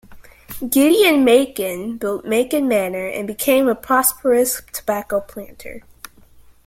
Gideon Macon built "Macon Manor" and became a prosperous tobacco planter.